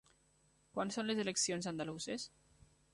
Quan són les eleccions andaluses?